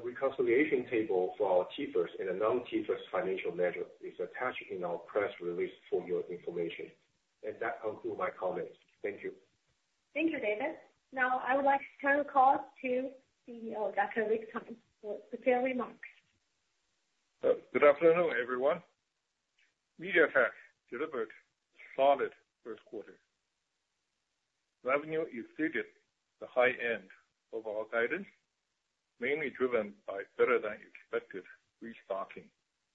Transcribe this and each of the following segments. A reconciliation table for our T-IFRS and a non-T-IFRS financial measure is attached in our press release for your information. That concludes my comments. Thank you. Thank you, David. Now, I would like to turn the call to CEO, Dr. Rick Tsai, for prepared remarks. Good afternoon, everyone. MediaTek delivered solid first quarter. Revenue exceeded the high end of our guidance, mainly driven by better than expected restocking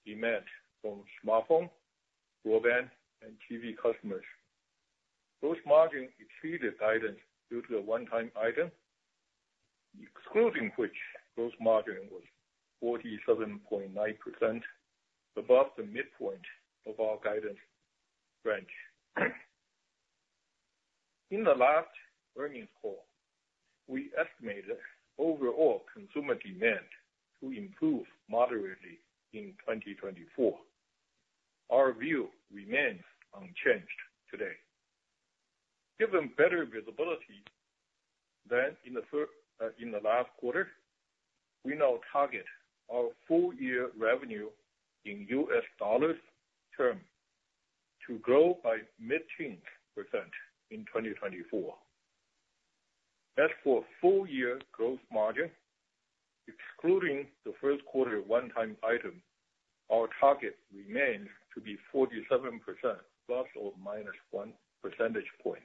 demand from smartphone, broadband, and TV customers. Gross margin exceeded guidance due to a one-time item, excluding which gross margin was 47.9%, above the midpoint of our guidance range. In the last earnings call, we estimated overall consumer demand to improve moderately in 2024. Our view remains unchanged today. Given better visibility than in the third, in the last quarter, we now target our full year revenue in U.S. dollars term to grow by mid-teen % in 2024. As for full year gross margin, excluding the first quarter one-time item, our target remains to be 47% ± 1 percentage point.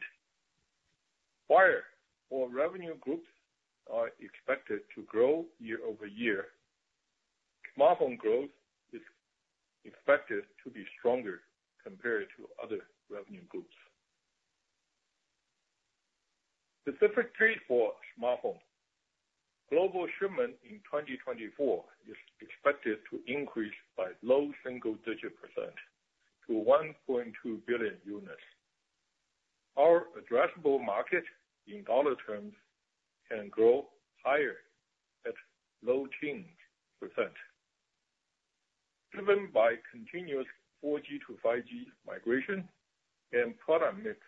While all revenue groups are expected to grow year-over-year. Smartphone growth is expected to be stronger compared to other revenue groups. Specifically for smartphone, global shipment in 2024 is expected to increase by low single-digit % to 1.2 billion units. Our addressable market in dollar terms can grow higher at low-teens %, driven by continuous 4G to 5G migration and product mix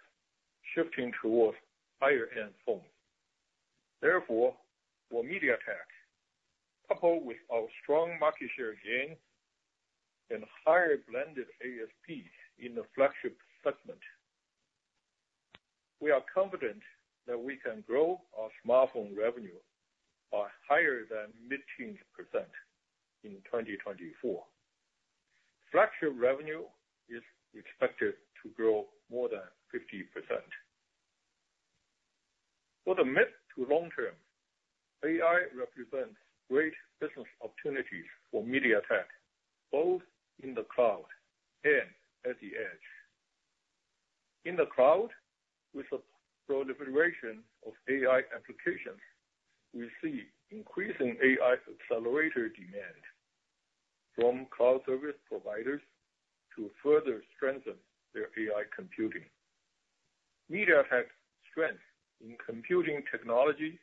shifting towards higher-end phones. Therefore, for MediaTek, coupled with our strong market share gain and higher blended ASP in the flagship segment, we are confident that we can grow our smartphone revenue by higher than mid-teens % in 2024. Flagship revenue is expected to grow more than 50%. For the mid- to long-term, AI represents great business opportunities for MediaTek, both in the cloud and at the edge. In the cloud, with the proliferation of AI applications, we see increasing AI accelerator demand from cloud service providers to further strengthen their AI computing. MediaTek's strength in computing technology,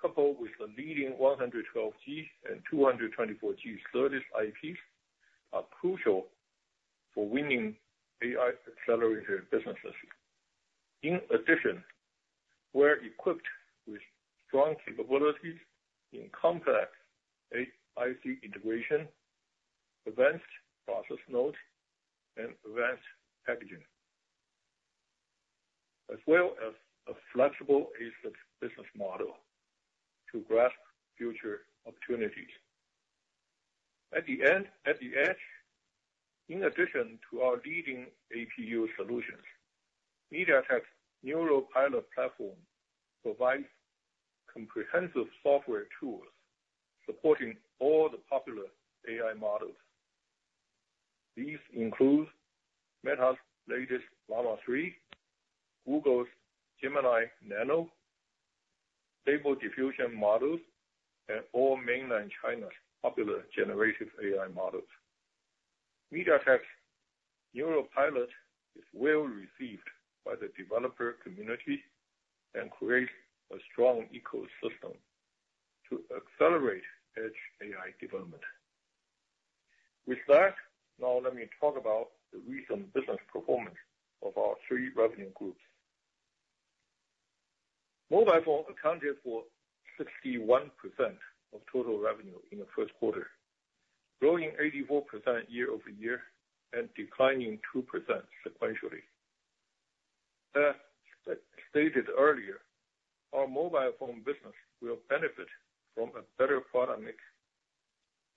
coupled with the leading 112G and 224G SerDes IPs, are crucial for winning AI accelerator businesses. In addition, we're equipped with strong capabilities in complex IC integration, advanced process node, and advanced packaging, as well as a flexible ASIC business model to grasp future opportunities. At the end, at the edge, in addition to our leading APU solutions, MediaTek's NeuroPilot platform provides comprehensive software tools supporting all the popular AI models. These include Meta's latest Llama 3, Google's Gemini Nano, Stable Diffusion models, and all Mainland China's popular generative AI models. MediaTek's NeuroPilot is well received by the developer community and creates a strong ecosystem to accelerate edge AI development. With that, now let me talk about the recent business performance of our three revenue groups. Mobile phone accounted for 61% of total revenue in the first quarter, growing 84% year-over-year and declining 2% sequentially. As I stated earlier, our mobile phone business will benefit from a better product mix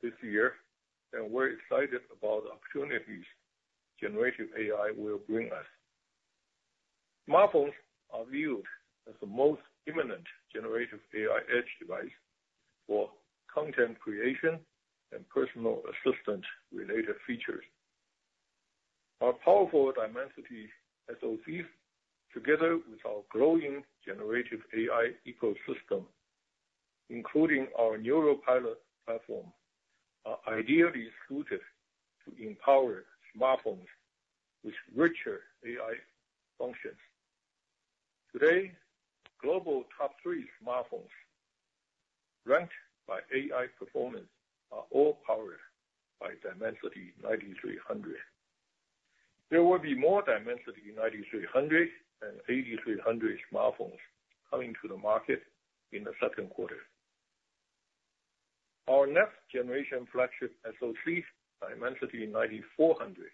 this year, and we're excited about the opportunities generative AI will bring us. Smartphones are viewed as the most imminent generative AI edge device for content creation and personal assistant-related features. Our powerful Dimensity SoCs, together with our growing generative AI ecosystem, including our NeuroPilot platform, are ideally suited to empower smartphones with richer AI functions. Today, global top three smartphones ranked by AI performance are all powered by Dimensity 9300.... There will be more Dimensity 9300 and 8300 smartphones coming to the market in the second quarter. Our next generation flagship SoC, Dimensity 9400,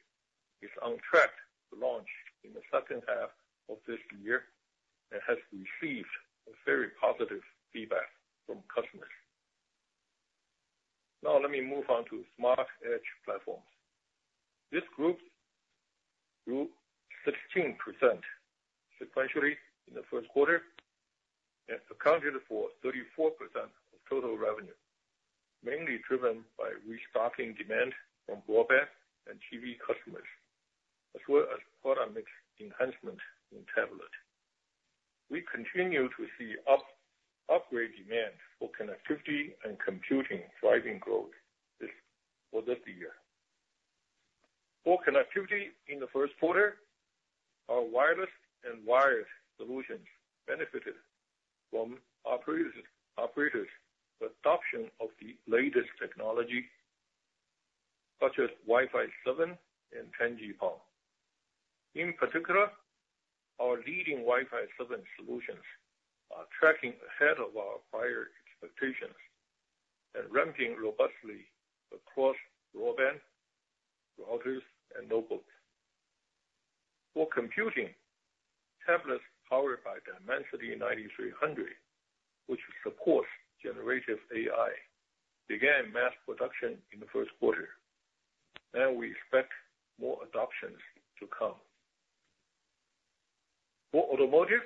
is on track to launch in the second half of this year and has received a very positive feedback from customers. Now let me move on to Smart Edge Platforms. This group grew 16% sequentially in the first quarter and accounted for 34% of total revenue, mainly driven by restocking demand from broadband and TV customers, as well as product mix enhancement in tablet. We continue to see upgrade demand for connectivity and computing driving growth this year. For connectivity in the first quarter, our wireless and wired solutions benefited from operators' adoption of the latest technology, such as Wi-Fi 7 and 10G-PON. In particular, our leading Wi-Fi 7 solutions are tracking ahead of our prior expectations and ramping robustly across broadband, routers, and notebooks. For computing, tablets powered by Dimensity 9300, which supports generative AI, began mass production in the first quarter, and we expect more adoptions to come. For automotive,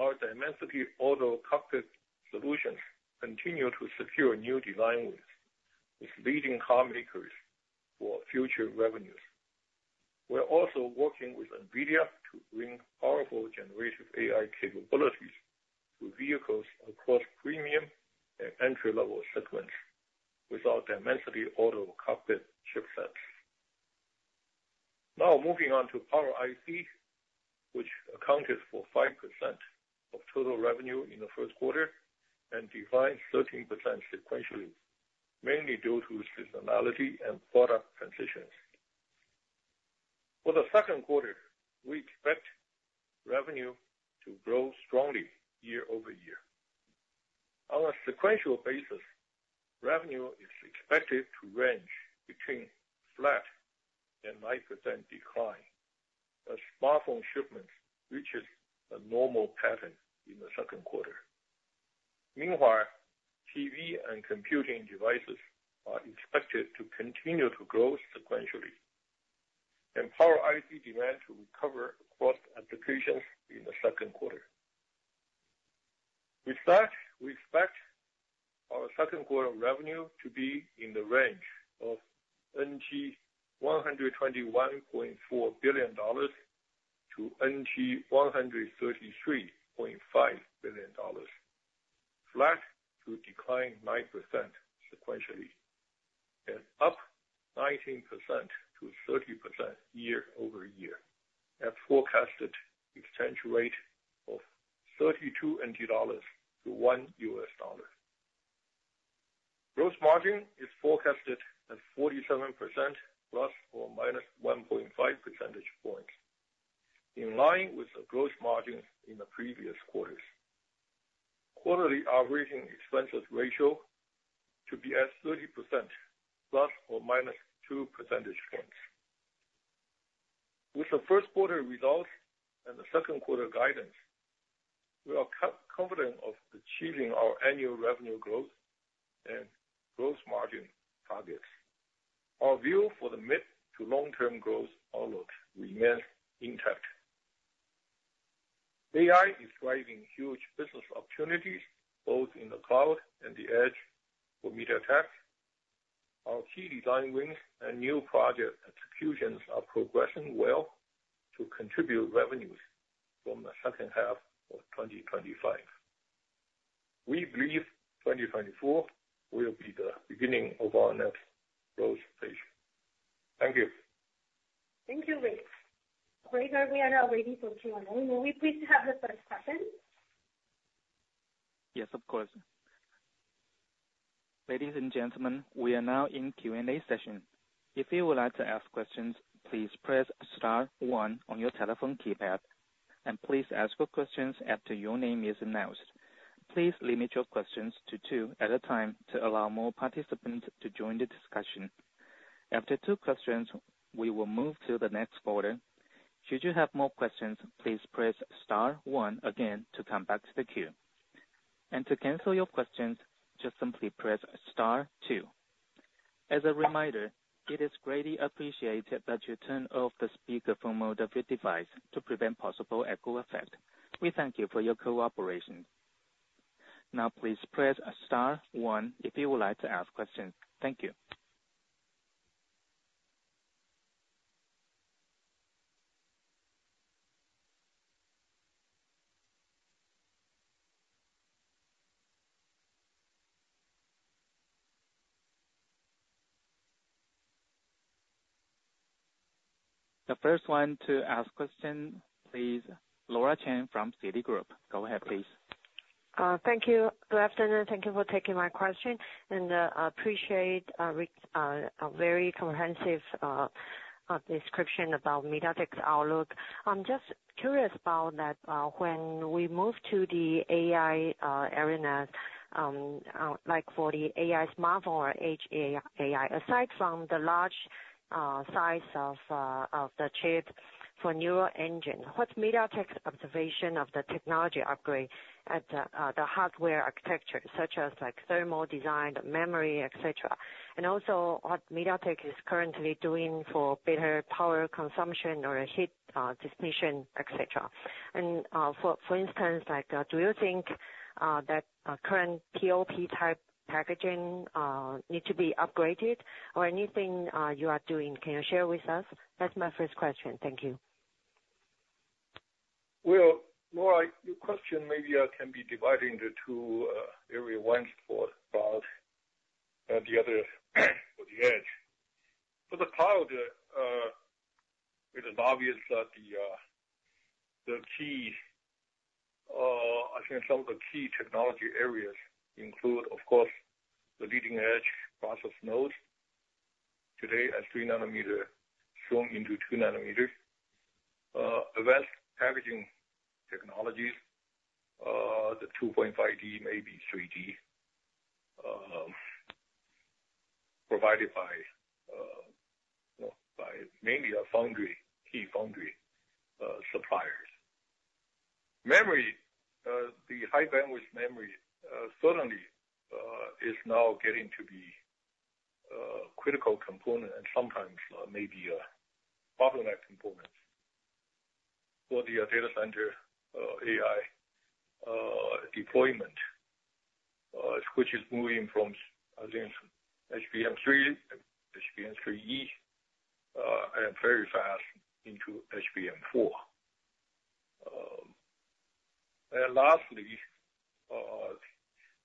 our Dimensity Auto Cockpit solutions continue to secure new design wins with leading car makers for future revenues. We're also working with NVIDIA to bring powerful generative AI capabilities to vehicles across premium and entry-level segments with our Dimensity Auto Cockpit chipsets. Now moving on to Power IC, which accounted for 5% of total revenue in the first quarter and declined 13% sequentially, mainly due to seasonality and product transitions. For the second quarter, we expect revenue to grow strongly year-over-year. On a sequential basis, revenue is expected to range between flat and 9% decline as smartphone shipments reaches a normal pattern in the second quarter. Meanwhile, TV and computing devices are expected to continue to grow sequentially, and Power IC demand to recover across applications in the second quarter. With that, we expect our second quarter revenue to be in the range of 121.4 billion-133.5 billion dollars, flat to decline 9% sequentially and up 19%-30% year-over-year, at forecasted exchange rate of 32 NT dollars to one U.S. dollar. Gross margin is forecasted at 47% ±1.5 percentage points, in line with the gross margin in the previous quarters. Quarterly operating expenses ratio to be at 30% ±2 percentage points. With the first quarter results and the second quarter guidance, we are confident of achieving our annual revenue growth and gross margin targets. Our view for the mid to long-term growth outlook remains intact. AI is driving huge business opportunities, both in the cloud and the edge for MediaTek. Our key design wins and new project executions are progressing well to contribute revenues from the second half of 2025. We believe 2024 will be the beginning of our next growth stage. Thank you. Thank you, Rick. Rick, we are now waiting for Q&A. May we please have the first question? Yes, of course. Ladies and gentlemen, we are now in Q&A session. If you would like to ask questions, please press star one on your telephone keypad, and please ask your questions after your name is announced. Please limit your questions to two at a time to allow more participants to join the discussion. After two questions, we will move to the next caller. Should you have more questions, please press star one again to come back to the queue. And to cancel your questions, just simply press star two. As a reminder, it is greatly appreciated that you turn off the speakerphone mode of your device to prevent possible echo effect. We thank you for your cooperation. Now, please press star one if you would like to ask questions. Thank you. The first one to ask question, please, Laura Chen from Citigroup. Go ahead, please. ... Thank you. Good afternoon. Thank you for taking my question, and appreciate Rick a very comprehensive description about MediaTek's outlook. I'm just curious about that, when we move to the AI arena, like for the AI smartphone or Edge AI, aside from the large size of the chip for neural engine, what's MediaTek's observation of the technology upgrade at the hardware architecture, such as, like, thermal design, memory, et cetera? And also, what MediaTek is currently doing for better power qor heat dismission et cetera. And, for instance, like, do you think that current PoP type packaging need to be upgraded? Or anything you are doing, can you share with us? That's my first question. Thank you. Well, Laura, your question maybe can be divided into two area, one for cloud and the other for the Edge. For the cloud, it is obvious that the key, I think some of the key technology areas include, of course, the leading edge process node. Today, a 3-nanometer, soon into 2 nanometers. Advanced packaging technologies, the 2.5D, maybe 3D, provided by mainly our foundry, key foundry suppliers. Memory, the high-bandwidth memory, certainly is now getting to be critical component and sometimes maybe a bottleneck component for the data center AI deployment, which is moving from, I think, HBM3, HBM3E, and very fast into HBM4. And lastly,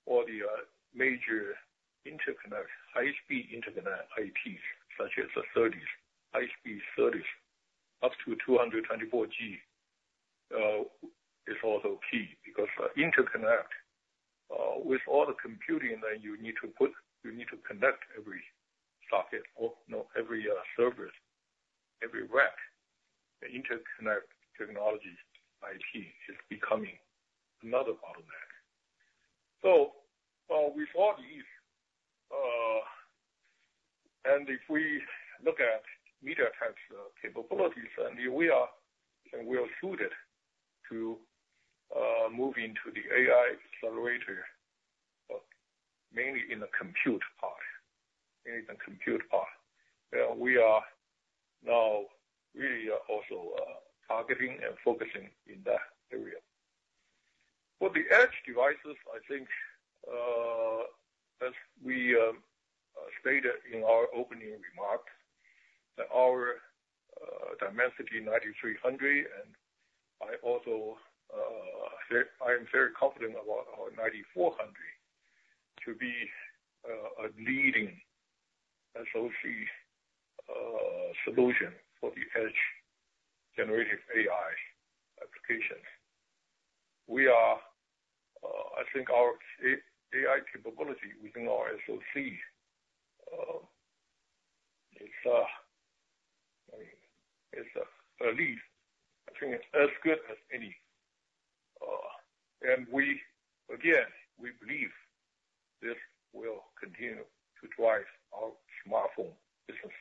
for the major interconnect, high-speed interconnect IPs, such as the SerDes, high-speed SerDes, up to 224G, is also key, because the interconnect, with all the computing that you need to put, you need to connect every socket or, no, every server, every rack. The interconnect technology IP is becoming another bottleneck. So, with all these, and if we look at MediaTek's capabilities, and we are, and we are suited to move into the AI accelerator, but mainly in the compute part, in the compute part. We are now really also targeting and focusing in that area. For the Edge devices, I think, as we stated in our opening remarks, that our Dimensity 9300, and I also, I am very confident about our 9400 to be a leading SoC solution for the Edge generative AI applications. We are, I think our AI capability within our SoC, it's at least, I think it's as good as any. And we, again, we believe this will continue to drive our smartphone business.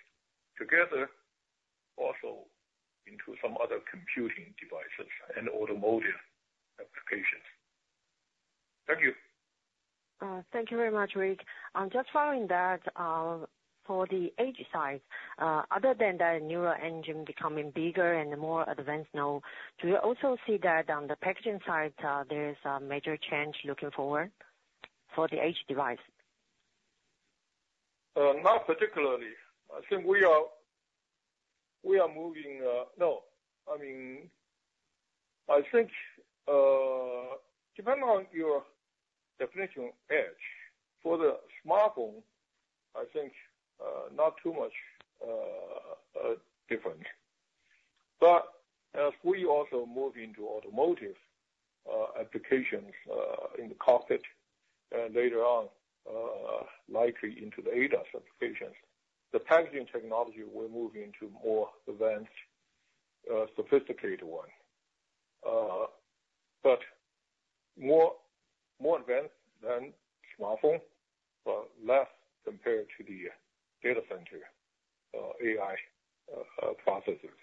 Together, also into some other computing devices and automotive applications. Thank you. Thank you very much, Rick. I'm just following that, for the Edge side, other than the neural engine becoming bigger and more advanced now, do you also see that on the packaging side, there is a major change looking forward for the Edge device? Not particularly. I think we are, we are moving. No. I mean, I think, depending on your definition of edge, for the smartphone, I think, not too much different. But as we also move into automotive applications, in the cockpit, and later on, likely into the ADAS applications, the packaging technology will move into more advanced, sophisticated one. But more, more advanced than smartphone, but less compared to the data center AI processors.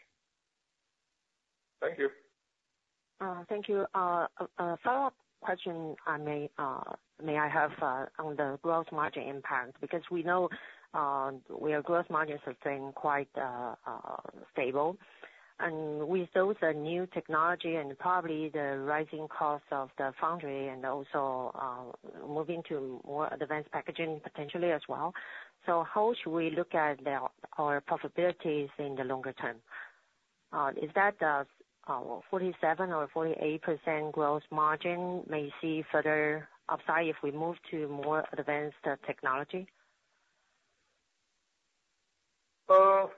Thank you. Thank you. A follow-up question I may have on the gross margin impact, because we know where gross margins have been quite stable, and with those new technology and probably the rising cost of the foundry and also moving to more advanced packaging potentially as well. So how should we look at our profitability in the longer term? Is that the 47% or 48% gross margin may see further upside if we move to more advanced technology?... Well,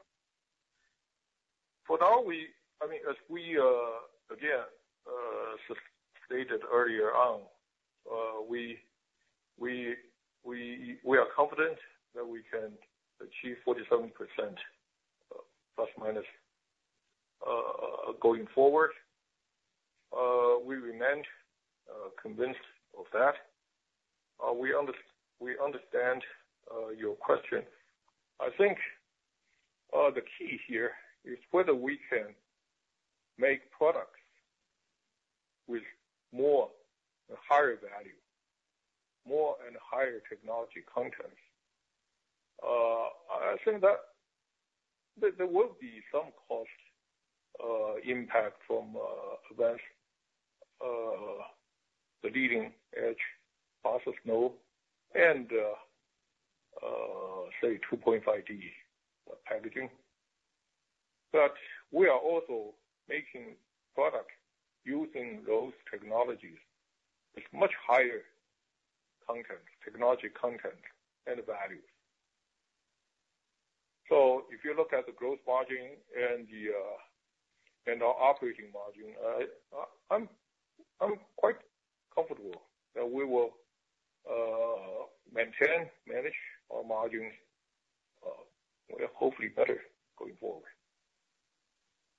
I mean, as we again stated earlier on, we are confident that we can achieve 47%, ±, going forward. We remain convinced of that. We understand your question. I think the key here is whether we can make products with more higher value, more and higher technology content. I think that there will be some cost impact from advanced the leading edge process node and, say, 2.5D packaging. But we are also making products using those technologies with much higher content, technology content, and value. So if you look at the gross margin and our operating margin, I'm quite comfortable that we will maintain, manage our margins well, hopefully better going forward.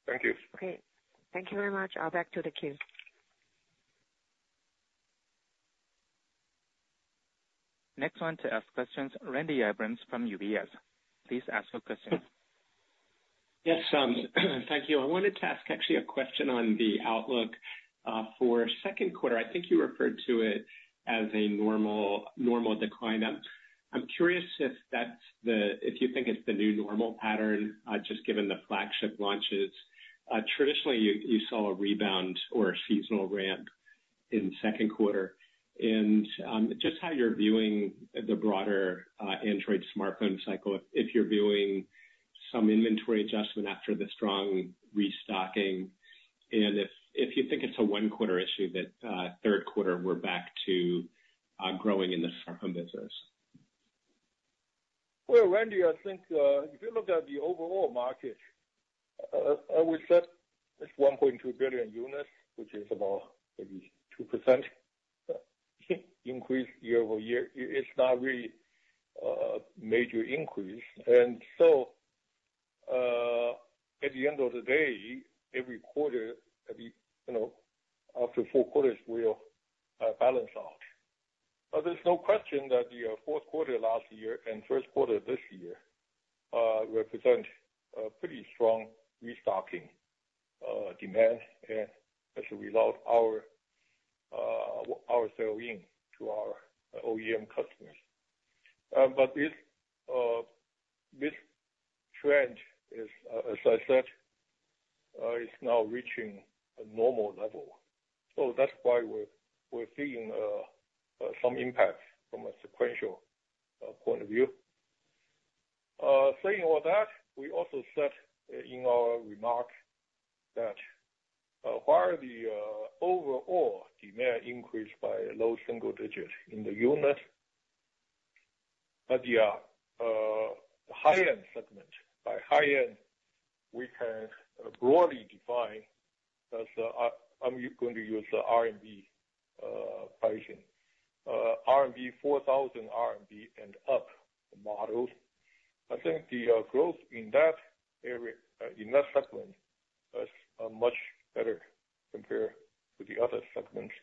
Thank you. Okay, thank you very much. I'll back to the queue. Next one to ask questions, Randy Abrams from UBS. Please ask your question. Yes, thank you. I wanted to ask actually a question on the outlook for second quarter. I think you referred to it as a normal, normal decline. I'm curious if that's the... If you think it's the new normal pattern, just given the flagship launches. Traditionally, you saw a rebound or a seasonal ramp in second quarter, and just how you're viewing the broader Android smartphone cycle, if you're viewing some inventory adjustment after the strong restocking, and if you think it's a one-quarter issue, that third quarter, we're back to growing in the smartphone business. Well, Randy, I think, if you look at the overall market, we said it's 1.2 billion units, which is about maybe 2% increase year-over-year. It's not really major increase. And so, at the end of the day, every quarter, every, you know, after four quarters, we'll balance out. But there's no question that the fourth quarter last year and first quarter this year represent a pretty strong restocking demand, and as a result, our our selling to our OEM customers. But this this trend is, as I said, is now reaching a normal level. So that's why we're, we're seeing some impact from a sequential point of view. Saying all that, we also said in our remarks that, while the overall demand increased by low single digits in the unit, but the high-end segment, by high-end, we can broadly define as, I'm going to use the RMB pricing, 4,000 RMB and up models. I think the growth in that area, in that segment is much better compared to the other segments.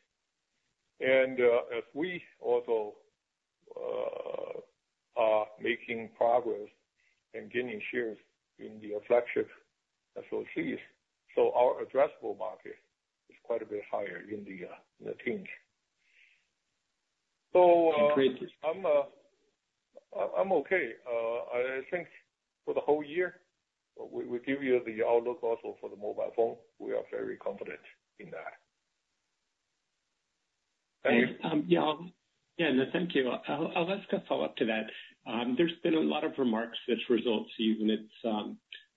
And, as we also are making progress in gaining shares in the flagship SoCs, so our addressable market is quite a bit higher in the change. So, Increased. I'm okay. I think for the whole year, we give you the outlook also for the mobile phone. We are very confident in that. Thanks, yeah. Yeah, thank you. I'll, I'll ask a follow-up to that. There's been a lot of remarks, this results even it's,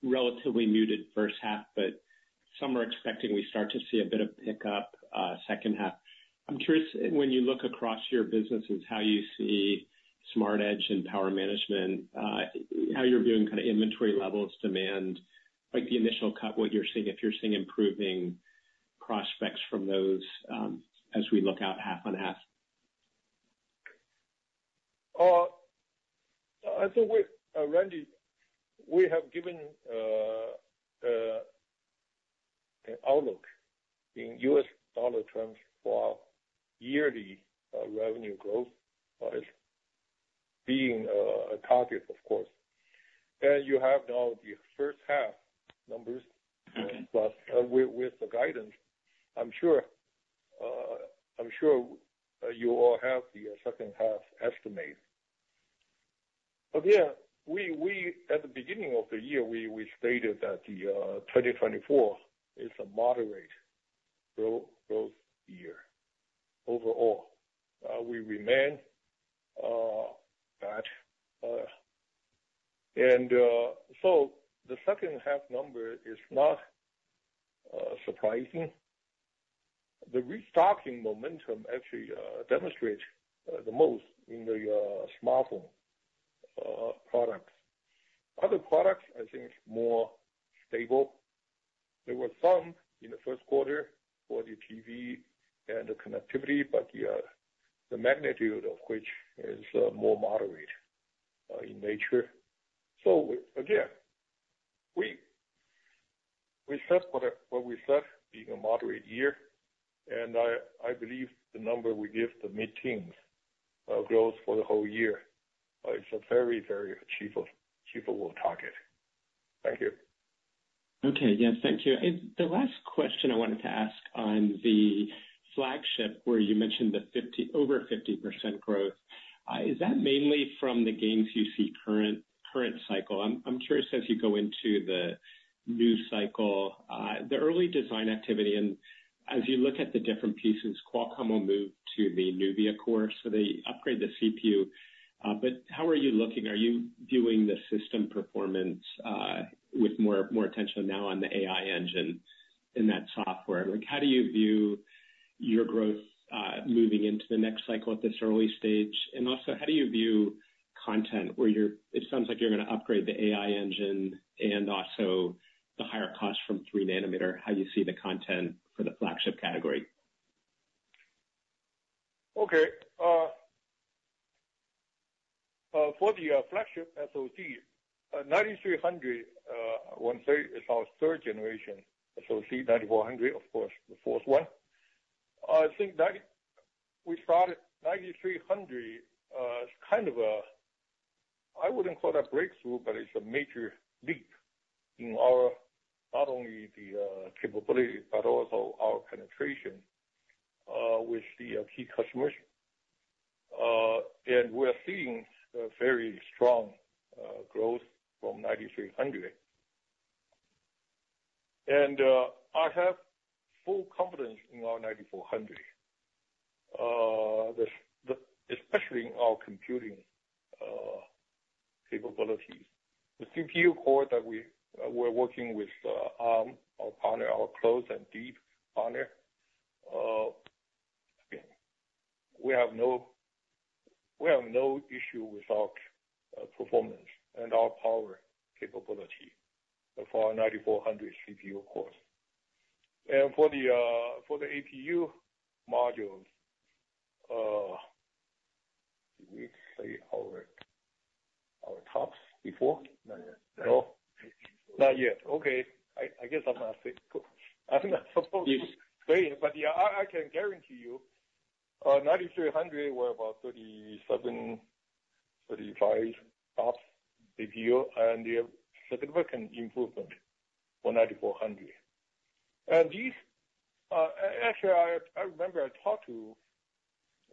relatively muted first half, but some are expecting we start to see a bit of pickup, second half. I'm curious, when you look across your businesses, how you see smart edge and power management, how you're viewing kind of inventory levels, demand, like the initial cut, what you're seeing, if you're seeing improving prospects from those, as we look out half on half? I think we're Randy, we have given an outlook in U.S. dollar terms for yearly revenue growth being a target, of course. And you have now the first half numbers, Mm-hmm. But with the guidance, I'm sure you all have the second half estimate. But yeah, we at the beginning of the year, we stated that 2024 is a moderate growth year overall. We remain that. And so the second half number is not surprising. The restocking momentum actually demonstrates the most in the smartphone products. Other products, I think, more stable. There were some in the first quarter for the TV and the connectivity, but the magnitude of which is more moderate in nature. So again, we said what we said, being a moderate year, and I believe the number we give, the mid-teens growth for the whole year, is a very achievable target. Thank you. Okay, yes, thank you. And the last question I wanted to ask on the flagship, where you mentioned the over 50% growth, is that mainly from the gains you see current cycle? I'm curious, as you go into the new cycle, the early design activity, and as you look at the different pieces, Qualcomm will move to the Nuvia core, so they upgrade the CPU. But how are you looking? Are you viewing the system performance, with more attention now on the AI engine in that software? Like, how do you view your growth, moving into the next cycle at this early stage? And also, how do you view content, where you're—It sounds like you're gonna upgrade the AI engine and also the higher cost from 3-nanometer. How do you see the content for the flagship category? Okay. For the flagship SoC 9300, I want to say, is our third generation SoC 9400, of course, the fourth one. I think 9300. We started 9300 as kind of a, I wouldn't call it a breakthrough, but it's a major leap in our not only the capability, but also our penetration with the key customers. And we're seeing very strong growth from 9300. And I have full confidence in our 9400, the especially in our computing capabilities. The CPU core that we're working with Arm, our partner, our close and deep partner, we have no, we have no issue with our performance and our power capability for our 9400 CPU cores. For the APU modules, did we say our, our TOPS before? Not yet. No? Not yet. Okay, I guess I'm not saying, I think I'm supposed to say it, but yeah, I can guarantee you, 9300 were about 37, 35 TOPS APU, and a significant improvement for 9400. And these... Actually, I remember I talked to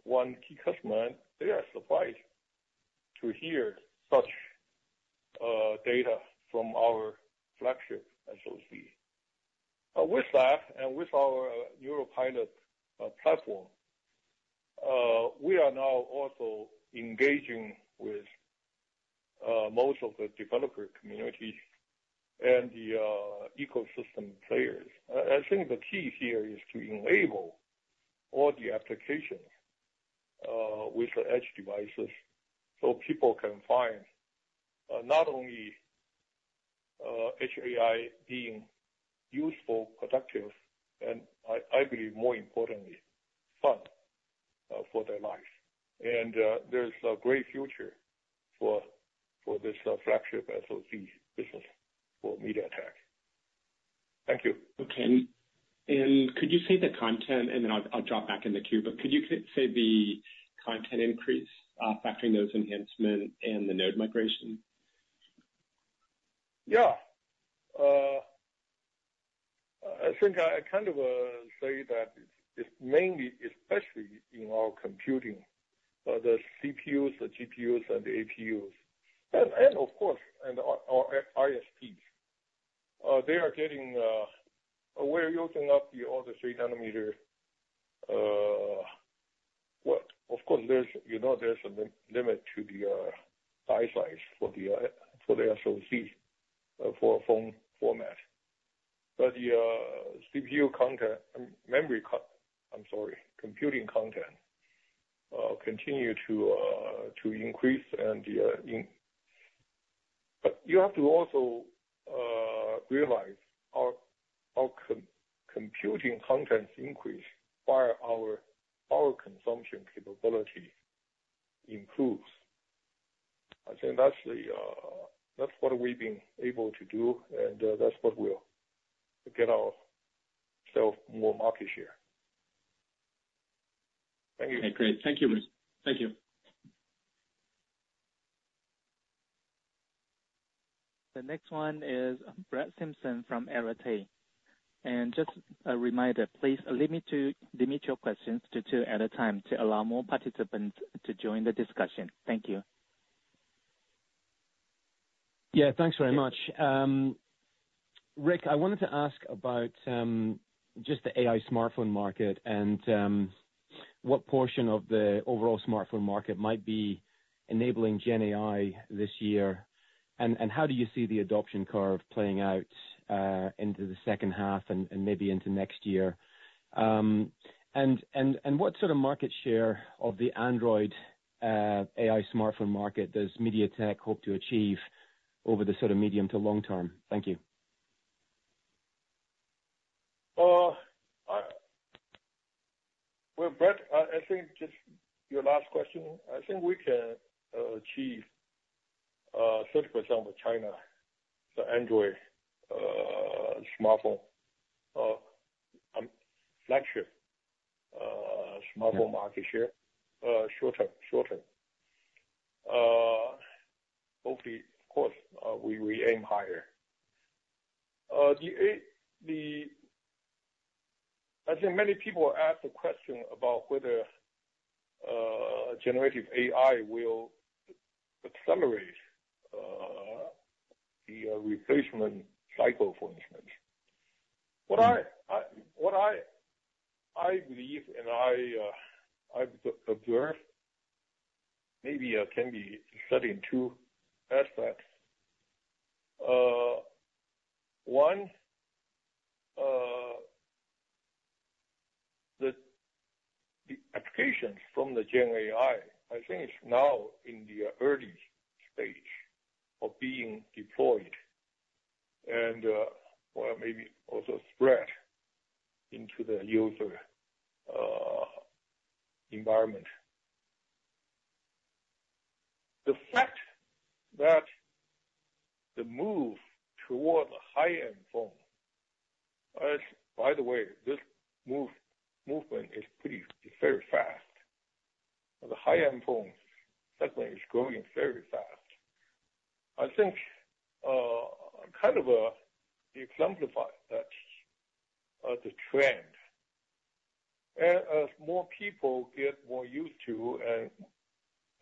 one key customer, and they are surprised to hear such data from our flagship SoC. With that, and with our NeuroPilot platform, we are now also engaging with most of the developer community and the ecosystem players. I think the key here is to enable all the applications with the edge devices, so people can find not only AI being useful, productive, and I believe more importantly, fun for their life. And there's a great future for this flagship SoC business for MediaTek. Thank you. Okay. And could you say the content, and then I'll drop back in the queue, but could you say the content increase, factoring those enhancements and the node migration? Yeah. I think I kind of say that it's mainly, especially in our computing, the CPUs, the GPUs, and the APUs, and of course, and our ISPs. They are getting, we're using up the other 3 nm, what? Of course, there's, you know, there's a limit to the die size for the SoC for a phone format. But the CPU content, I'm sorry, computing content continue to to increase and in... But you have to also realize our computing content increase while our consumption capability improves. I think that's the that's what we've been able to do, and that's what will get ourselves more market share. Thank you. Okay, great. Thank you. Thank you. The next one is Brett Simpson from Arete Research. Just a reminder, please limit your questions to two at a time to allow more participants to join the discussion. Thank you. Yeah, thanks very much. Rick, I wanted to ask about just the AI smartphone market and what portion of the overall smartphone market might be enabling Gen AI this year? And how do you see the adoption curve playing out into the second half and maybe into next year? And what sort of market share of the Android AI smartphone market does MediaTek hope to achieve over the sort of medium to long term? Thank you. Well, Brett, I think just your last question, I think we can achieve 30% of China, the Android smartphone flagship smartphone market share short term, short term. Hopefully, of course, we aim higher. I think many people ask the question about whether generative AI will accelerate the replacement cycle, for instance. What I believe and I've observed maybe can be said in two aspects. One, the applications from the Gen AI, I think it's now in the early stage of being deployed and or maybe also spread into the user environment. The fact that the move towards high-end phone, as by the way, this movement is pretty very fast. The high-end phone segment is growing very fast. I think, kind of, it exemplifies that, the trend. As more people get more used to and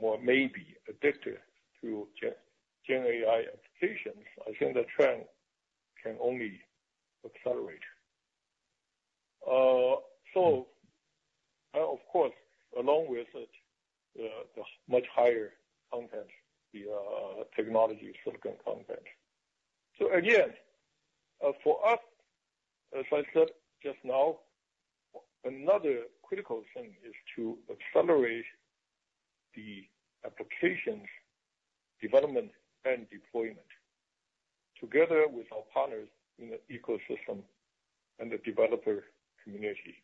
more maybe addicted to Gen, Gen AI applications, I think the trend can only accelerate. So, of course, along with it, the much higher content, the technology, silicon content. So again, for us, as I said just now, another critical thing is to accelerate the applications, development, and deployment together with our partners in the ecosystem and the developer community.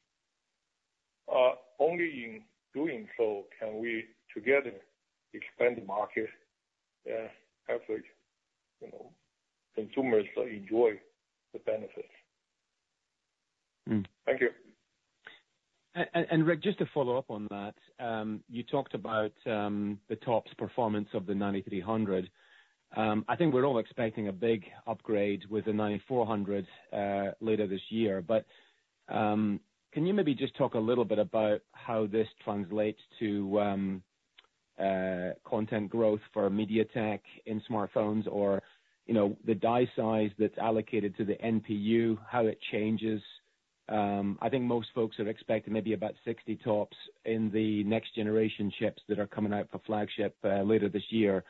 Only in doing so can we, together, expand the market and have, you know, consumers enjoy the benefits. Mm. Thank you. Rick, just to follow up on that, you talked about the TOPS performance of the 9300. I think we're all expecting a big upgrade with the 9400 later this year. But, can you maybe just talk a little bit about how this translates to content growth for MediaTek in smartphones, or, you know, the die size that's allocated to the NPU, how it changes? I think most folks are expecting maybe about 60 TOPS in the next generation chips that are coming out for flagship later this year.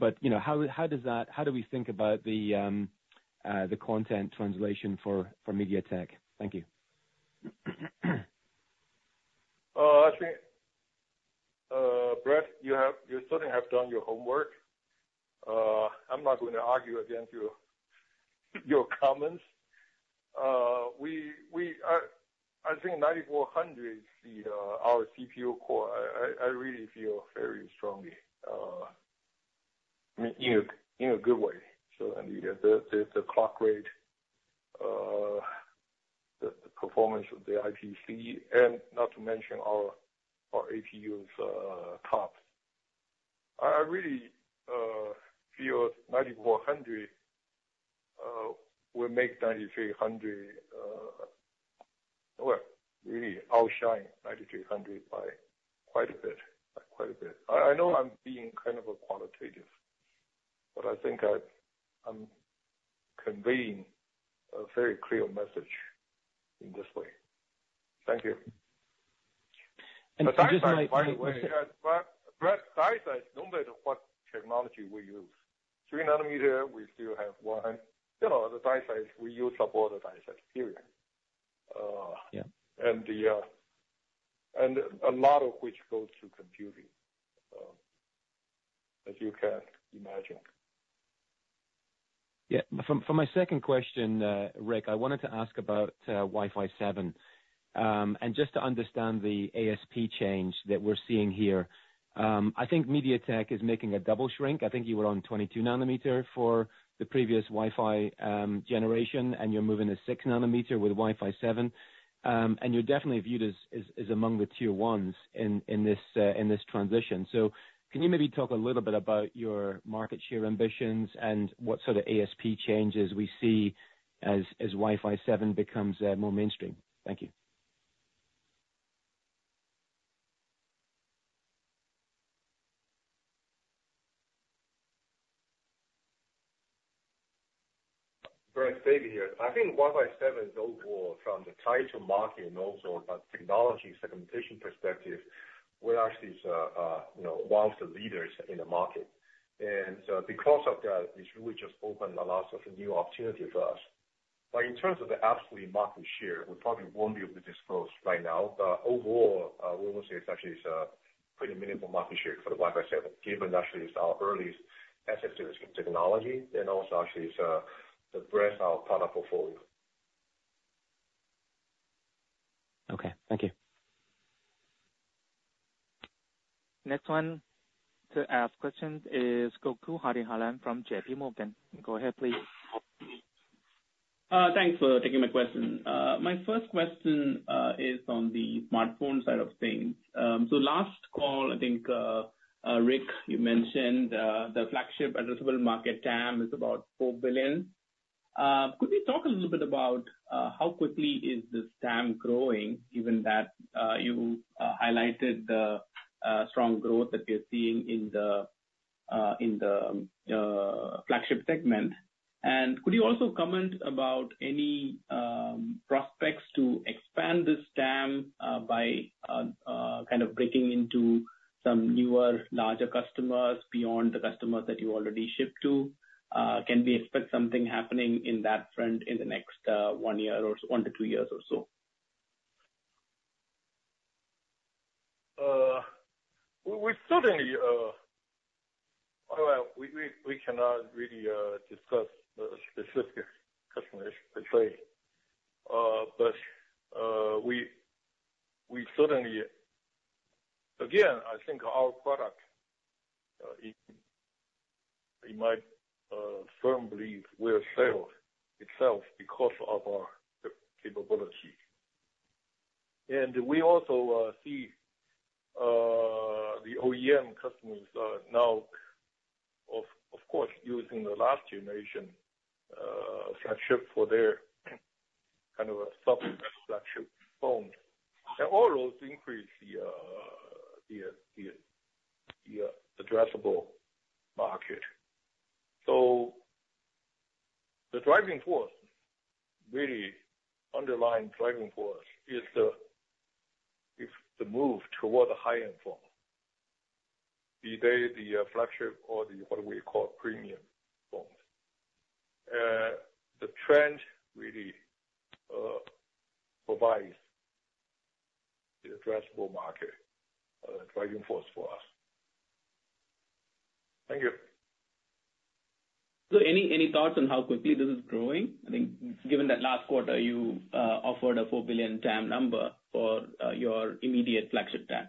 But, you know, how does that—how do we think about the content translation for MediaTek? Thank you. I think, Brett, you have certainly done your homework. I'm not going to argue against your comments. I think 9400 is our CPU core. I really feel very strongly in a good way. So, and yeah, there's a clock rate, the performance of the IPC, and not to mention our APU's TOPS. I really feel 9400 will make 9300 well, really outshine 9300 by quite a bit, by quite a bit. I know I'm being kind of qualitative, but I think I'm conveying a very clear message in this way. Thank you. Just by the way- Brett, die size, no matter what technology we use, 3nm, we still have one. You know, the die size, we use up all the die size, period. Yeah. And a lot of which goes to computing, as you can imagine. Yeah. For my second question, Rick, I wanted to ask about Wi-Fi 7. And just to understand the ASP change that we're seeing here, I think MediaTek is making a double shrink. I think you were on 22-nanometer for the previous Wi-Fi generation, and you're moving to 6nm with Wi-Fi 7. And you're definitely viewed as among the tier ones in this transition. So can you maybe talk a little bit about your market share ambitions and what sort of ASP changes we see as Wi-Fi 7 becomes more mainstream? Thank you.... David here. I think Wi-Fi 7 overall, from the total market and also, but technological segmentation perspective, we're actually, you know, one of the leaders in the market. Because of that, it's really just opened a lot of new opportunities for us. But in terms of the absolute market share, we probably won't be able to disclose right now. But overall, we will say it's actually pretty minimal market share for the Wi-Fi 7, given actually it's our earliest access to this technology and also actually it's the breadth of our product portfolio. Okay, thank you. Next one to ask questions is Gokul Hariharan from J.P. Morgan. Go ahead, please. Thanks for taking my question. My first question is on the smartphone side of things. Last call, I think, Rick, you mentioned the flagship addressable market TAM is about $4 billion. Could you talk a little bit about how quickly is this TAM growing, given that you highlighted the strong growth that we're seeing in the flagship segment? And could you also comment about any prospects to expand this TAM by kind of breaking into some newer, larger customers beyond the customers that you already ship to? Can we expect something happening in that front in the next 1 year or 1-2 years or so? We certainly... Well, we cannot really discuss the specific customers per se. But we certainly, again, I think our product, in my firm belief, will sell itself because of our capabilities. And we also see the OEM customers are now, of course, using the last generation flagship for their kind of a sub-flagship phone. And all those increase the addressable market. So the driving force, really underlying driving force is the move toward the high-end phone, be they the flagship or the, what we call premium phones. The trend really provides the addressable market driving force for us. Thank you. So any thoughts on how quickly this is growing? I think given that last quarter you offered a $4 billion TAM number for your immediate flagship TAM.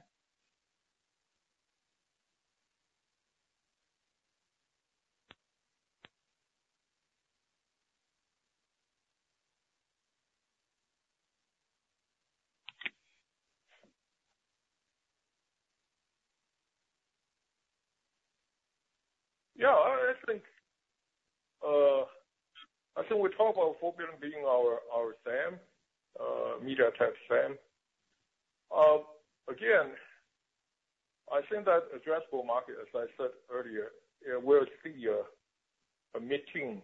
Yeah, I think we talked about $4 billion being our TAM, MediaTek TAM. Again, I think that addressable market, as I said earlier, it will see a mid-teen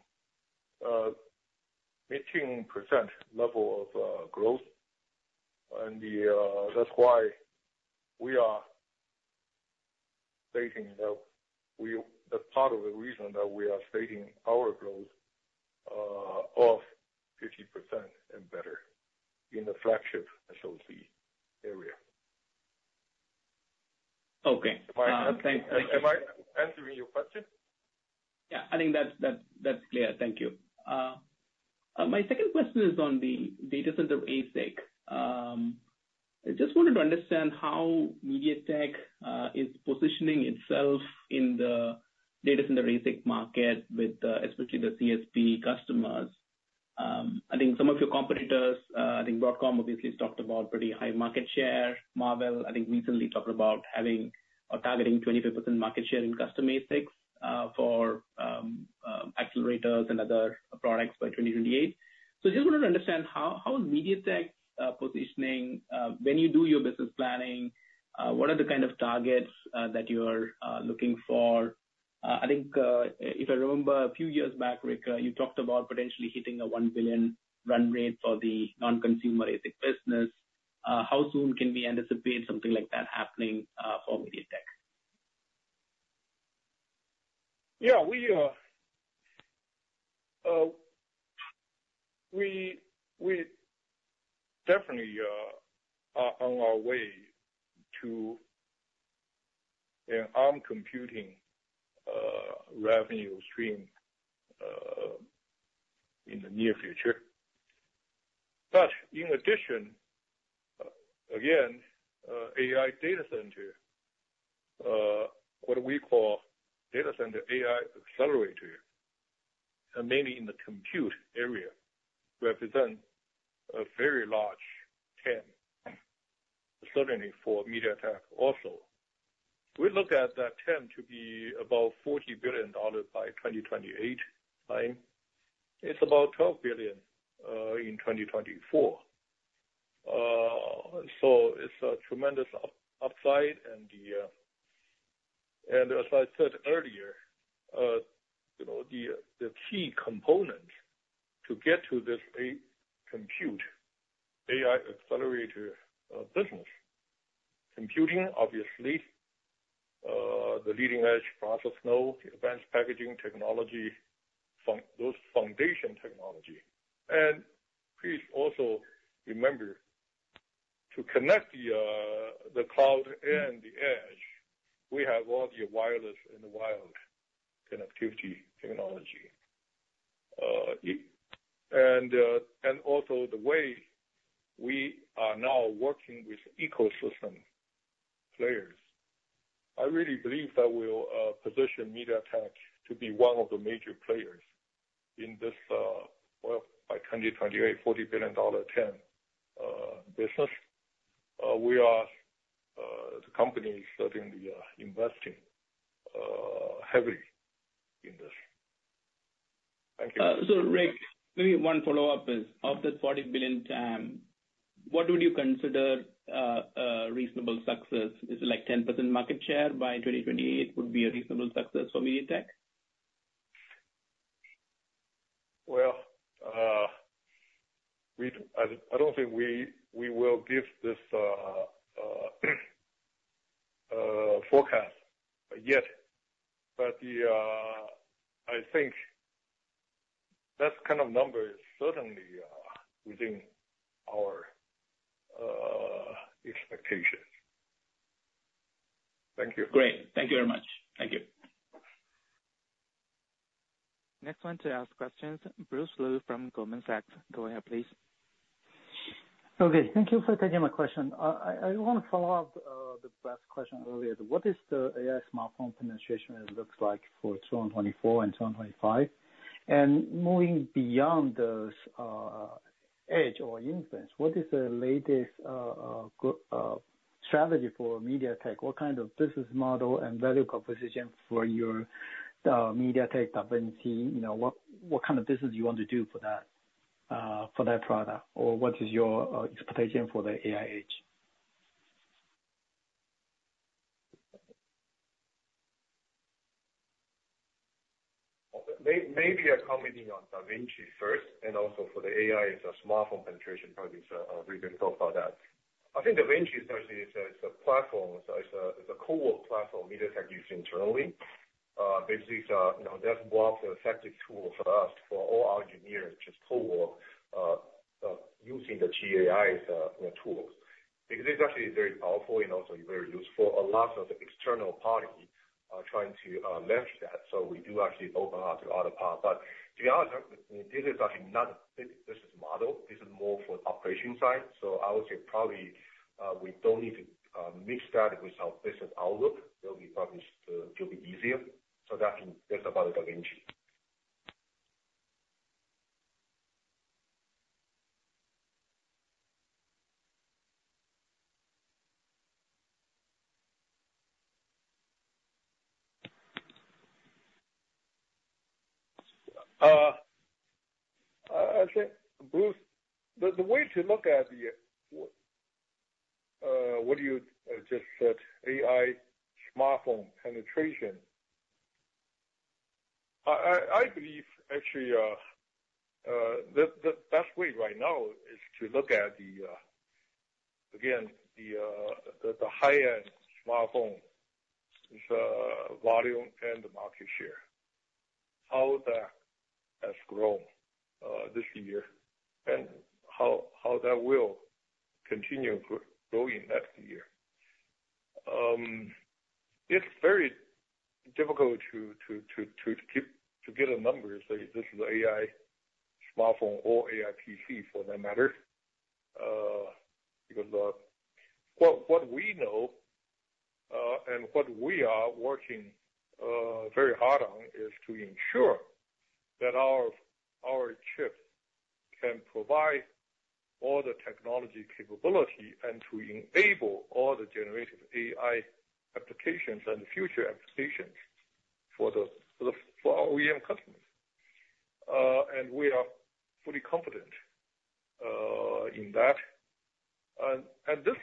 % level of growth. That's why we are stating that we... That's part of the reason that we are stating our growth of 50% and better in the flagship SoC area. Okay. Thank- Am I answering your question? Yeah, I think that's clear. Thank you. My second question is on the data center ASIC. I just wanted to understand how MediaTek is positioning itself in the data center ASIC market with, especially the CSP customers. I think some of your competitors, I think Broadcom obviously has talked about pretty high market share. Marvell, I think, recently talked about having or targeting 25% market share in custom ASICs for accelerators and other products by 2028. So I just wanted to understand how MediaTek is positioning when you do your business planning, what are the kind of targets that you are looking for? I think, if I remember a few years back, Rick, you talked about potentially hitting a $1 billion run rate for the non-consumer ASIC business. How soon can we anticipate something like that happening, for MediaTek? Yeah, we definitely are on our way to an Arm computing revenue stream in the near future. But in addition, again, AI data center, what we call data center AI accelerator, and mainly in the compute area, represent a very large TAM, certainly for MediaTek also. We look at that TAM to be about $40 billion by 2028, right? It's about $12 billion in 2024. So it's a tremendous upside, and as I said earlier, you know, the key component to get to this AI compute, AI accelerator business, computing, obviously, the leading edge process node, advanced packaging technology, foundry those foundation technology. And please also remember, to connect the cloud and the edge, we have all the wireless and wired connectivity technology. And also the way we are now working with ecosystem players, I really believe that will position MediaTek to be one of the major players in this, well, by 2028, $40 billion TAM business. We are the company certainly investing heavily in this. Thank you. So, Rick, maybe one follow-up is, of the $40 billion TAM, what would you consider a reasonable success? Is it like 10% market share by 2028, would be a reasonable success for MediaTek? Well, I don't think we will give this forecast yet, but I think that kind of number is certainly within our expectations. Thank you. Great. Thank you very much. Thank you. Next one to ask questions, Bruce Lu from Goldman Sachs. Go ahead, please. Okay, thank you for taking my question. I want to follow up the last question earlier. What is the AI smartphone penetration it looks like for 2024 and 2025? And moving beyond those, edge or inference, what is the latest strategy for MediaTek? What kind of business model and value proposition for your MediaTek DaVinci, you know, what kind of business you want to do for that, for that product? Or what is your expectation for the AI age? Maybe I commenting on DaVinci first, and also for the AI as a smartphone penetration, probably, so we can talk about that. I think DaVinci first is a, it's a platform. It's a, it's a co-work platform MediaTek use internally. Basically, it's, you know, that's one of the effective tool for us, for all our engineers, just co-work, using the GenAI's, you know, tools. Because it's actually very powerful and also very useful. A lot of the external party are trying to leverage that, so we do actually open up to other part. But to be honest, this is actually not business model, this is more for operation side. So I would say probably, we don't need to mix that with our business outlook. That'll be probably still, to be easier. So that's, that's about DaVinci. I think, Bruce, the way to look at what you just said, AI smartphone penetration. I believe actually, the best way right now is to look at again, the high-end smartphone, its volume and the market share, how that has grown, this year and how that will continue growing next year. It's very difficult to get a number, say, this is AI smartphone or AI PC, for that matter. Because what we know and what we are working very hard on is to ensure that our chips can provide all the technology capability and to enable all the generation AI applications and future applications for our OEM customers. We are fully confident in that. This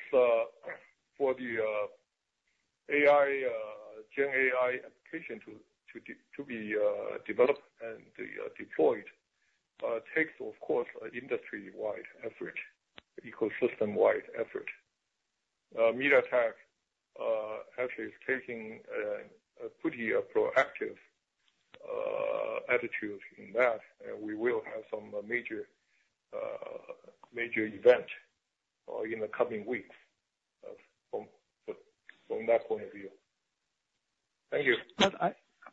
for the AI GenAI application to be developed and deployed takes, of course, an industry-wide effort, ecosystem-wide effort. MediaTek actually is taking a pretty proactive attitude in that, and we will have some major event in the coming weeks from that point of view. Thank you.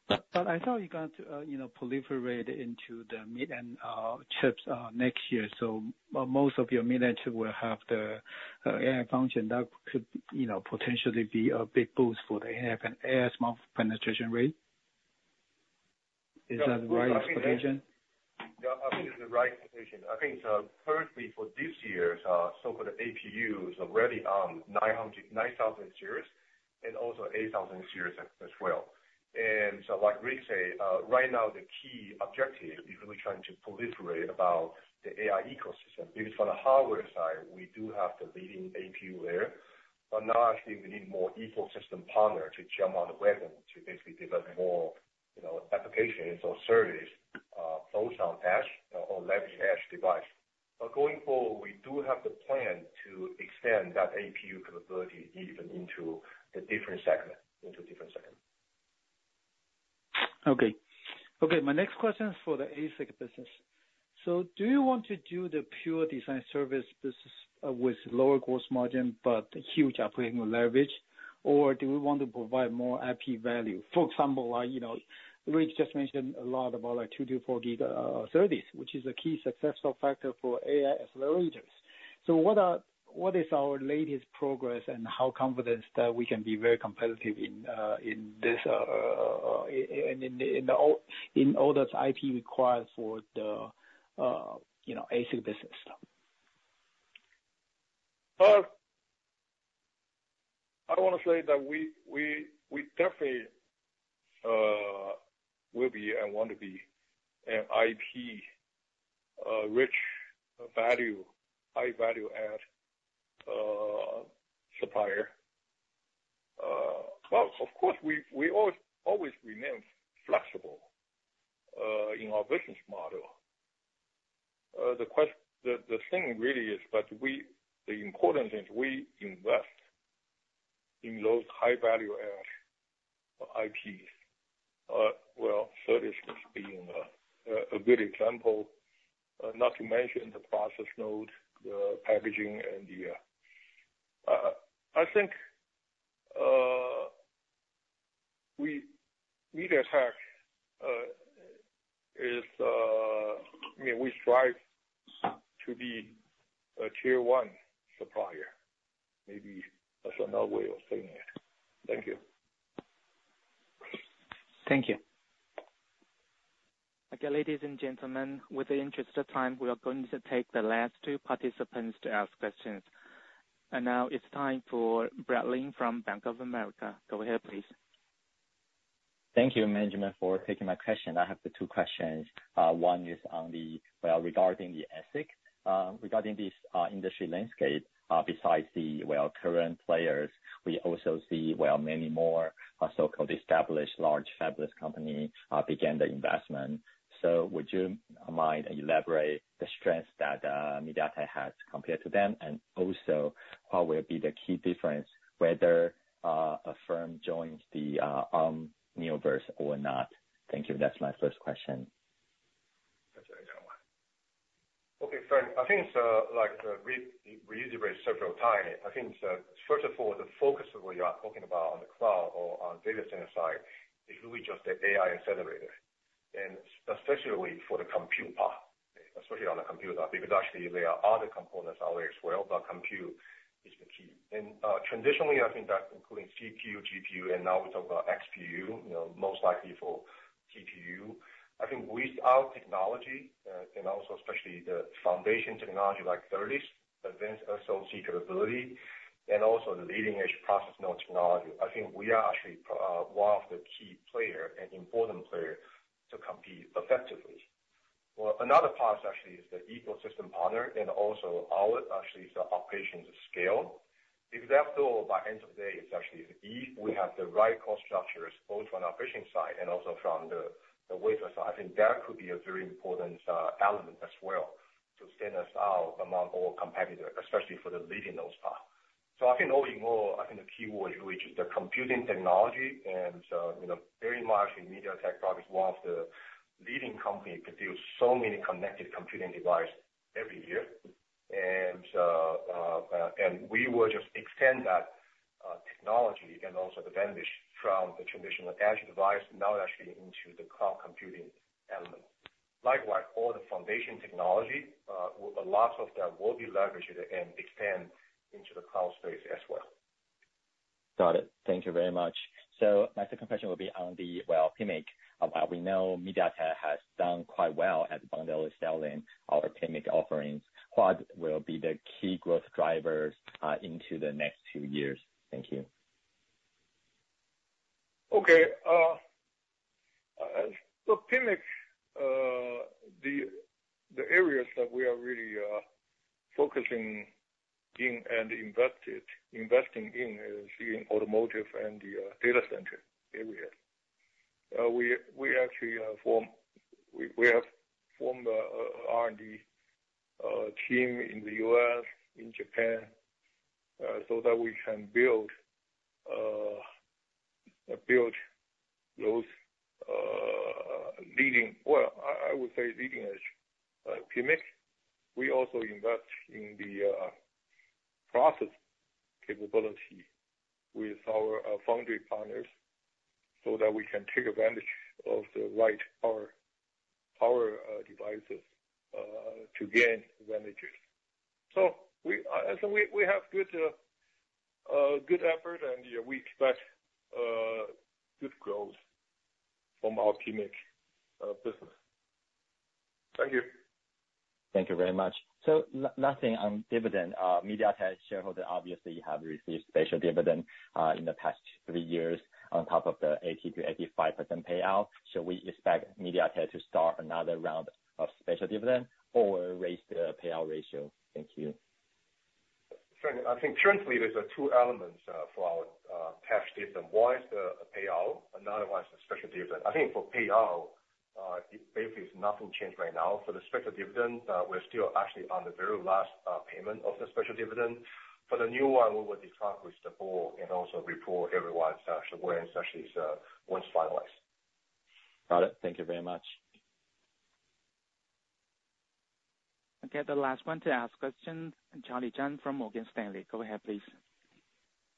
But I thought you got, you know, proliferate into the mid-end chips next year. So most of your mid-end chips will have the AI function. That could, you know, potentially be a big boost for the AI and AI smartphone penetration rate. Is that the right observation? Yeah, I think it's the right observation. I think, currently for this year's, so for the APU is already on 900, 9000 series and also 8000 series as well. And so like Rick say, right now, the key objective is really trying to proliferate about the AI ecosystem, because for the hardware side, we do have the leading APU there. But now, actually, we need more ecosystem partner to jump on the wagon to basically develop more, you know, applications or service, both on edge or leverage edge device. But going forward, we do have the plan to extend that APU capability even into the different segment, into different segment. Okay. Okay, my next question is for the ASIC business. So do you want to do the pure design service business, with lower gross margin, but huge operating leverage, or do we want to provide more IP value? For example, like, you know, Rick just mentioned a lot about, like, 224G, SerDes which is a key successful factor for AI accelerators. So what is our latest progress and how confident that we can be very competitive in all those IP required for the, you know, ASIC business? I wanna say that we definitely will be and want to be an IP rich value, high-value add supplier. But of course, we always remain flexible in our business model. The thing really is that we... The important thing is we invest in those high-value add IPs. Well, SerDes being a good example, not to mention the process node, the packaging, and the, I think, we, MediaTek, is, I mean, we strive to be a tier one supplier. Maybe that's another way of saying it. Thank you. Thank you. Again, ladies and gentlemen, with the interest of time, we are going to take the last two participants to ask questions. Now it's time for Brad Lin from Bank of America. Go ahead, please. Thank you, management, for taking my question. I have two questions. One is on the, well, regarding the ASIC. Regarding this, industry landscape, besides the, well, current players, we also see, well, many more so-called established large fabless company, begin the investment. So would you mind elaborate the strengths that, MediaTek has compared to them? And also, what will be the key difference whether, a firm joins the, Arm Neoverse or not? Thank you. That's my first question. Okay, friend, I think, so, like, we, we reiterate several time, I think, so first of all, the focus of what you are talking about on the cloud or on data center side, is really just the AI accelerator, and especially for the compute part, especially on the compute, because actually, there are other components out there as well, but compute is the key. And, traditionally, I think that including CPU, GPU, and now we're talking about XPU, you know, most likely for GPU. I think with our technology, and also especially the foundation technology like SerDes, advanced SoC capability, and also the leading-edge process node technology, I think we are actually, one of the key player and important player to compete effectively. Well, another part actually is the ecosystem partner and also our, actually, the operations scale. If after all, by end of day, it's actually, if we have the right cost structures, both on our operations side and also from the, the wafer side, I think that could be a very important element as well to stand us out among all competitor, especially for the leading those part. So I think only more, I think the key word, which is the computing technology, and, you know, very much in MediaTek products, one of the leading company produce so many connected computing device every year. And, and we will just extend that technology and also the advantage from the traditional edge device now actually into the cloud computing element. Likewise, all the foundation technology, a lot of that will be leveraged and expand into the cloud space as well. Got it. Thank you very much. So my second question will be on the, well, PMIC. We know MediaTek has done quite well at bundle and selling our PMIC offerings. What will be the key growth drivers into the next two years? Thank you. Okay, so PMIC, the areas that we are really focusing in and investing in is in automotive and the data center area. We actually form... We have formed a R&D team in the U.S., in Japan, so that we can build those leading, well, I would say, leading-edge PMIC. We also invest in the process capability with our foundry partners, so that we can take advantage of the right power devices to gain advantages. So we have good effort, and, yeah, we expect good growth from our PMIC business. Thank you. Thank you very much. So last thing on dividend, MediaTek shareholder obviously have received special dividend in the past 3 years on top of the 80%-85% payout. Should we expect MediaTek to start another round of special dividend or raise the payout ratio? Thank you. Currently, I think currently, there are two elements for our cash dividend. One is the payout, another one is the special dividend. I think for payout, basically it's nothing changed right now. For the special dividend, we're still actually on the very last payment of the special dividend. For the new one, we will discuss with the board and also report everyone when actually once finalized. Got it. Thank you very much. Okay, the last one to ask questions, Charlie Chan from Morgan Stanley. Go ahead, please.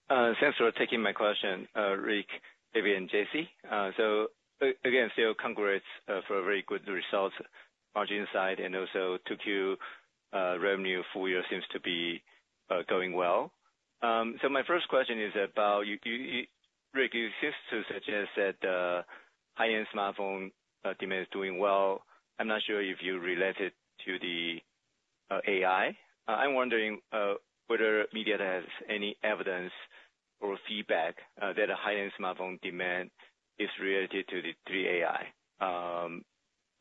Thanks for taking my question, Rick, David, and Jesse. So again, so congrats for a very good result margin side and also 2Q revenue full year seems to be going well. So my first question is about you, do you—Rick, you seem to suggest that high-end smartphone demand is doing well. I'm not sure if you relate it to the AI. I'm wondering whether MediaTek has any evidence or feedback that a high-end smartphone demand is related to the GenAI?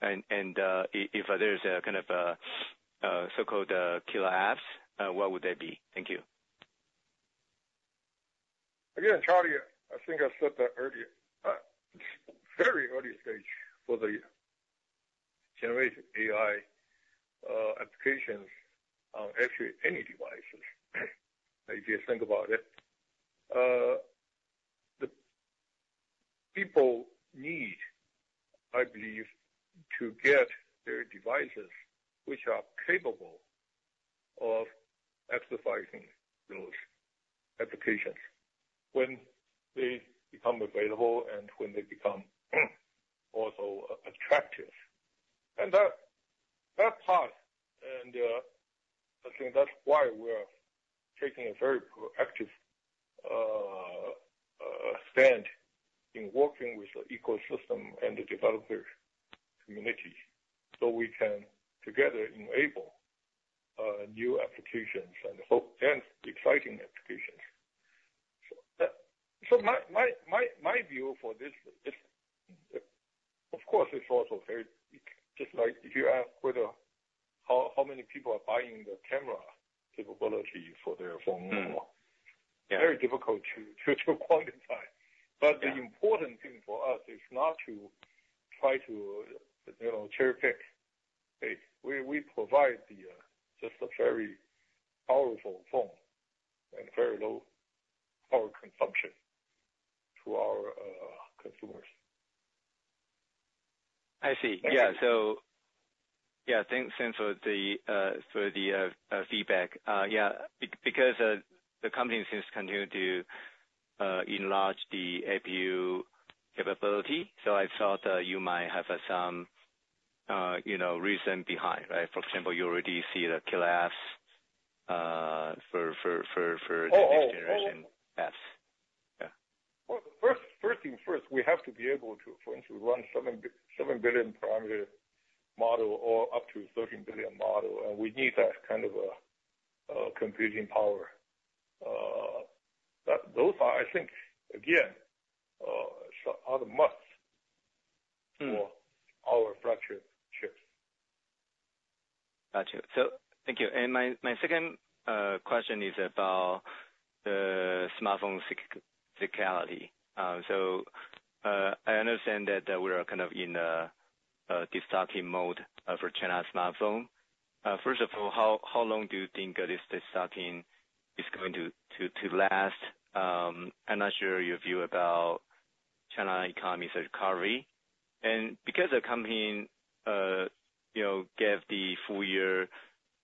And if there's a kind of so-called killer apps, what would they be? Thank you. Again, Charlie, I think I said that earlier. Very early stage for the generative AI applications on actually any devices. If you think about it, the people need, I believe, to get their devices, which are capable of exercising those applications when they become available and when they become also attractive. And that, that's hard and, I think that's why we're taking a very proactive stand in working with the ecosystem and the developer community, so we can together enable new applications and hope and exciting applications. So that, so my view for this is, of course, it's also very, just like if you ask whether how many people are buying the camera capability for their phone? Mm-hmm. Yeah. Very difficult to quantify. Yeah. But the important thing for us is not to try to, you know, cherry-pick. We provide just a very powerful phone and very low power consumption to our consumers. I see. Yeah. So yeah, thanks, thanks for the, for the, feedback. Yeah, because the company seems continue to enlarge the APU capability. So I thought, you might have some, you know, reason behind, right? For example, you already see the killer apps, for- Oh, oh, oh- The next generation apps. Yeah. Well, first thing first, we have to be able to, for instance, run 7 billion parameter model or up to 13 billion model, and we need that kind of computing power. But those are, I think, again, are the must- Mm. for our structured chips. Got you. So thank you. And my second question is about the smartphone seasonality. So I understand that we are kind of in a restocking mode for China smartphone. First of all, how long do you think this restocking is going to last? I'm not sure your view about China economy's recovery. And because the company, you know, gave the full year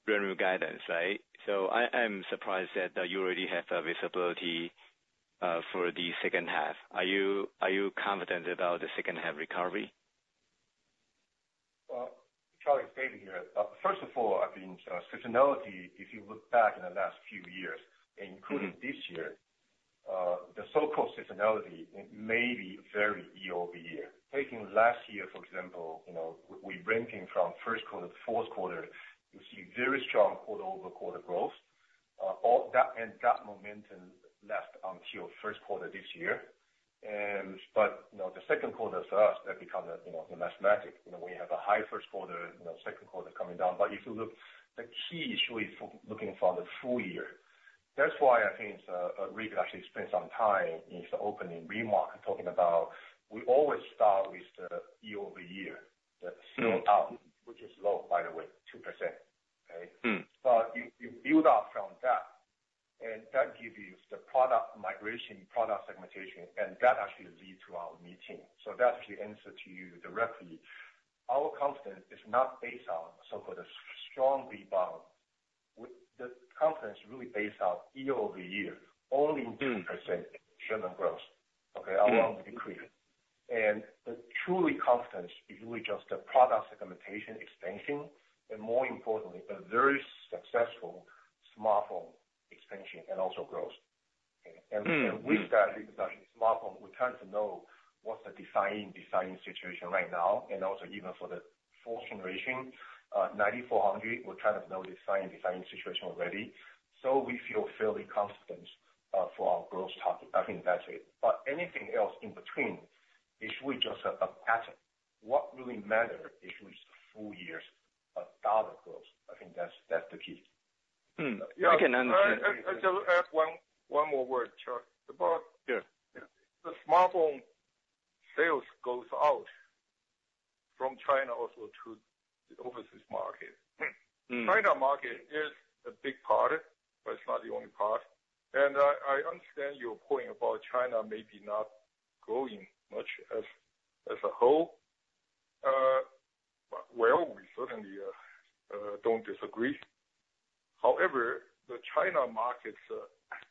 revenue guidance, right? So I'm surprised that you already have a visibility for the second half. Are you confident about the second half recovery? Well, Charlie, David here. First of all, I think, seasonality, if you look back in the last few years, including this year, the so-called seasonality may vary year-over-year. Taking last year, for example, you know, we're ranking from first quarter to fourth quarter, you see very strong quarter-over-quarter growth. All that, and that momentum left until first quarter this year. And, but, you know, the second quarter for us, that becomes, you know, the mathematics. You know, we have a high first quarter, you know, second quarter coming down. But if you look, the key issue is for looking for the full year. That's why I think, Rick actually spent some time in his opening remark, talking about we always start with the year-over-year, the slow down, which is low, by the way, 2%. Okay? Mm. But you, you build up from that, and that gives you the product migration, product segmentation, and that actually leads to our meeting. So that's the answer to you directly. Our confidence is not based on so-called a strong rebound. The confidence really based on year-over-year, only 2% revenue growth. And the truly confidence is really just the product segmentation expansion, and more importantly, a very successful smartphone expansion and also growth. Okay? And, and with that expansion, smartphone, we tend to know what's the design, design situation right now, and also even for the fourth generation, 9400, we're trying to know the design, design situation already. So we feel fairly confident for our growth target. I think that's it. But anything else in between is really just a pattern. What really matters is with full years of dollar growth. I think that's the key. Hmm. I can understand. I just add one more word, Charlie, about- Yeah. The smartphone sales goes out from China also to the overseas market. Hmm. China market is a big part, but it's not the only part. And I, I understand your point about China may be not growing much as, as a whole. But well, we certainly don't disagree. However, the China markets,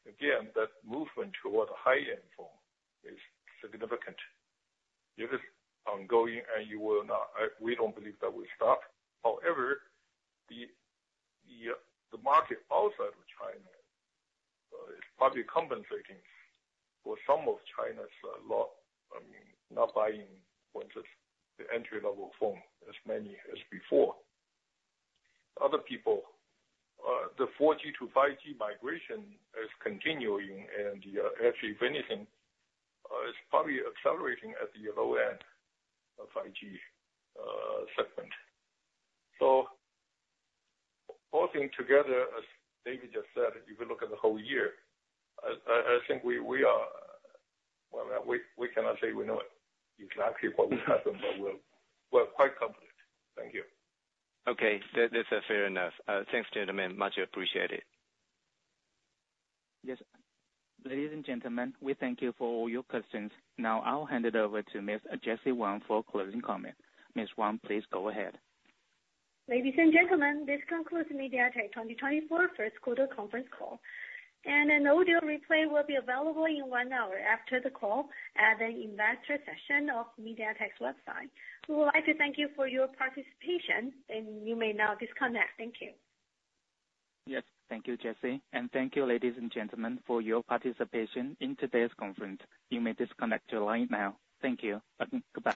again, that movement toward high-end phone is significant. It is ongoing, and you will not... We don't believe that will stop. However, the market outside of China is probably compensating for some of China's a lot, I mean, not buying what is the entry-level phone as many as before. Other people, the 4G to 5G migration is continuing, and actually, if anything, it's probably accelerating at the low end of 5G segment. So putting together, as David just said, if you look at the whole year, I think we are, well, we cannot say we know exactly what will happen, but we're quite confident. Thank you. Okay, that, that's fair enough. Thanks, gentlemen. Much appreciated. Yes. Ladies and gentlemen, we thank you for all your questions. Now, I'll hand it over to Miss Jessie Wang for closing comment. Miss Wang, please go ahead. Ladies and gentlemen, this concludes MediaTek 2024 first quarter conference call. An audio replay will be available in one hour after the call at the investor section of MediaTek's website. We would like to thank you for your participation, and you may now disconnect. Thank you. Yes, thank you, Jesse, and thank you, ladies and gentlemen, for your participation in today's conference. You may disconnect your line now. Thank you. Bye-bye. Goodbye.